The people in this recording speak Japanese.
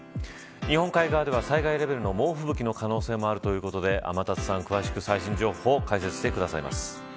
日本海側では災害レベルの猛吹雪の可能性もあるということで天達さん、詳しく最新情報を解説してくださいます。